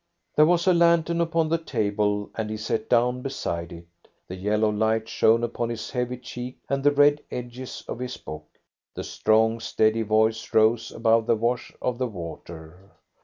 There was a lantern upon the table, and he sat down beside it. The yellow light shone upon his heavy cheek and the red edges of his book. The strong, steady voice rose above the wash of the water.